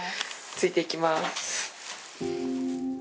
ついていきます。